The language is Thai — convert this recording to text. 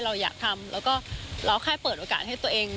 เราอยากทำแล้วก็เราแค่เปิดโอกาสให้ตัวเอง